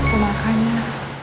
makan apsu makan ya